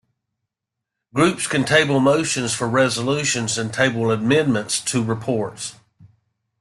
Groups can table motions for resolutions and table amendments to reports.